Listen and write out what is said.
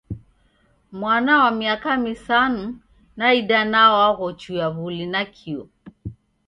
Mwana wa miaka misanu na idanaa waghochuya w'ili nakio.